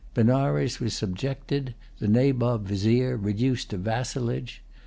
Benares was subjected; the Nabob Vizier reduced to vassalage.